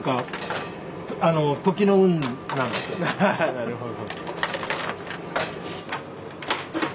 なるほど。